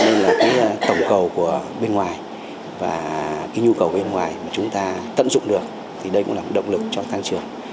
đây kịch bản tăng trưởng